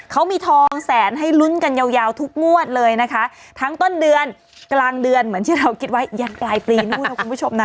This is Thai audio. เขามีทองแสนให้ลุ้นกันยาวยาวทุกงวดเลยนะคะทั้งต้นเดือนกลางเดือนเหมือนที่เราคิดไว้ยันปลายปีนู่นนะคุณผู้ชมนะ